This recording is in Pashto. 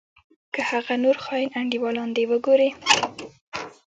که هغه نور خاين انډيوالان دې وګورې.